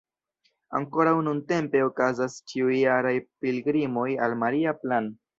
Ankoraŭ nuntempe okazas ĉiujaraj pilgrimoj al Maria Plan.